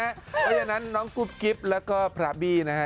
เพราะฉะนั้นน้องกุ๊บกิ๊บแล้วก็พระบี้นะฮะ